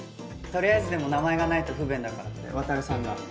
とりあえずでも名前がないと不便だからって渉さんが。